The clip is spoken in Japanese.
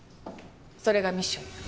それがミッションよ。